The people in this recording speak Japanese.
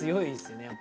やっぱり。